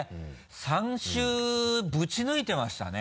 ３週ぶち抜いてましたね。